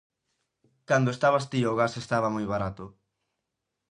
Cando estabas ti o gas estaba moi barato.